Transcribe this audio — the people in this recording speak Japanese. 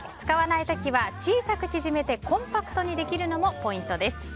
使わない時は小さく縮めてコンパクトにできるのもポイントです。